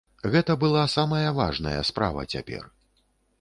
Гэта была самая важная справа цяпер.